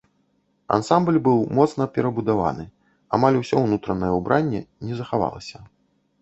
Ансамбль быў моцна перабудаваны, амаль усё ўнутранае ўбранне не захавалася.